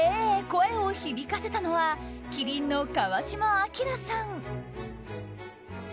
声を響かせたのは麒麟の川島明さん。